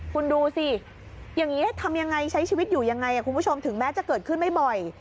คุณดูสิอย่างงี้ใช้ชีวิตอยู่ยังไงล่ะคุณผู้ถึงแม้จะเกิดขึ้นไม่บ่อย